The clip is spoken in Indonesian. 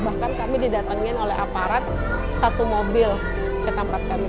bahkan kami didatengin oleh aparat satu mobil ke tempat kami